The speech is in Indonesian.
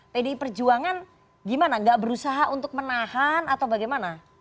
pdi perjuangan gimana gak berusaha untuk menahan atau bagaimana